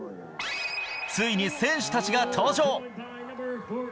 ついに選手たちが登場。